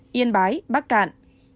yên bái bắc cạn